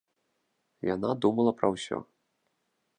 Яна думала пра ўсё.